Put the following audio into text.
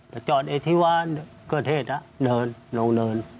ก็จอดไอ้ที่ว่าเกอร์เทศเดินลง